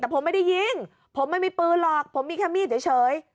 แต่ผมไม่ได้ยิงผมไม่มีปืนหรอกผมมีแค่มีดเฉย